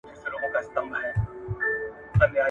د هغه استادان پخواني شاعران وو.